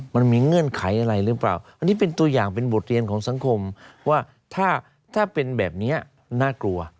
เงื่อนไขอะไรหรือเปล่าอันนี้เป็นตัวอย่างเป็นบทเรียนของสังคมว่าถ้าเป็นแบบนี้น่ากลัว